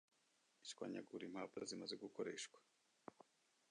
ishwanyagura impapuro zimaze gukoreshwa